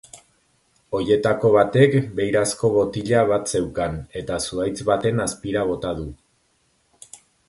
Horietako batek beirazko botila bat zeukan, eta zuhaitz baten azpira bota du.